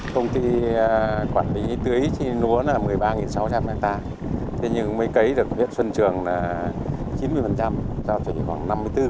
công ty quản lý tưới trên lúa là một mươi ba sáu trăm linh hectare thế nhưng mới cấy được huyện xuân trường là chín mươi giao chỉ khoảng năm mươi bốn